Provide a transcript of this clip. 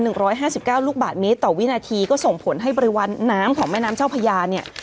ร้อยห้าสิบเก้าลูกบาทเมตรต่อวินาทีก็ส่งผลให้ปริมาณน้ำของแม่น้ำเจ้าพญาเนี่ย